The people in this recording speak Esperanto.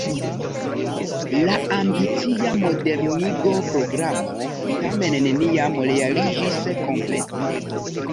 La ambicia modernigo-programo tamen neniam realiĝis komplete.